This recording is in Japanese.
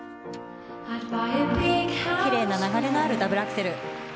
奇麗な流れのあるダブルアクセル。